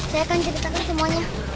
saya akan ceritakan semuanya